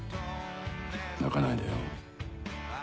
泣かないでよ？